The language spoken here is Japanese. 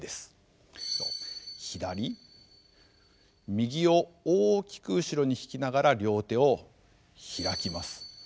右を大きく後ろに引きながら両手を開きます。